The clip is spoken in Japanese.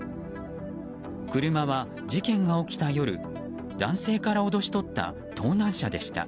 車は事件が起きた夜男性から脅し取った盗難車でした。